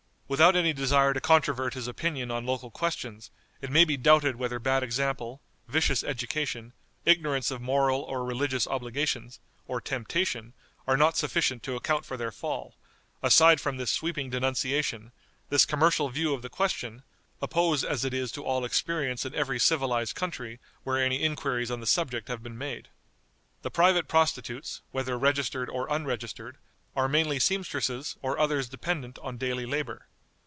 Without any desire to controvert his opinion on local questions, it may be doubted whether bad example, vicious education, ignorance of moral or religious obligations, or temptation, are not sufficient to account for their fall, aside from this sweeping denunciation, this commercial view of the question, opposed as it is to all experience in every civilized country where any inquiries on the subject have been made. The private prostitutes, whether registered or unregistered, are mainly seamstresses or others dependent upon daily labor.